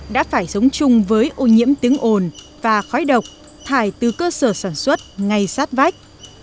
đã phải sống chung với ô nhiễm tiếng ồn và khói độc thải từ cơ sở sản xuất ngay sát vách